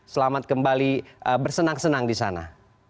selamat kembali bersenang senang di sana